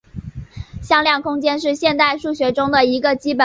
向量空间是现代数学中的一个基本概念。